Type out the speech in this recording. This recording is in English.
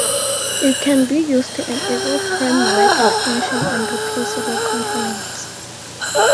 It can be used to enable framework extension and replaceable components.